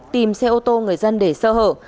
tìm xe ô tô người dân để sơ hở